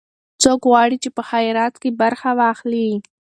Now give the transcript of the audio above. څوک غواړي چې په خیرات کې برخه واخلي؟